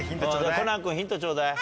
コナン君ヒントちょうだい。